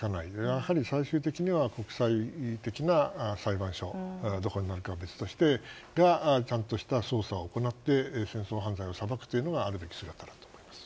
やはり最終的には国際的な裁判所どこになるかは別としてちゃんとした捜査を行って、戦争犯罪を裁くというのがあると思います。